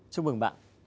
chúc mừng bạn